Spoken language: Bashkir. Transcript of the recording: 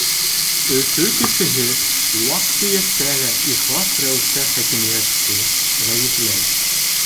Өфө кешеһе ваҡ-төйәктә лә ихлас рәүештә хакимиәтте ғәйепләй.